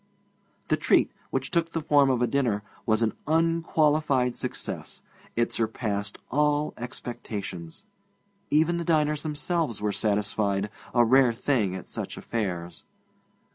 The treat, which took the form of a dinner, was an unqualified success; it surpassed all expectations. Even the diners themselves were satisfied a rare thing at such affairs.